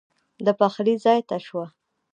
د پخلي ځای ته شوه.